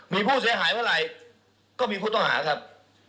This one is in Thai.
มีผู้เสียหายเมื่อไหร่ก็มีผู้ต้องหาครับ